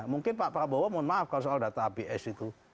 mungkin pak prabowo mohon maaf kalau soal data abs itu